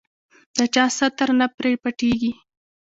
د چا ستر نه پرې پټېږي.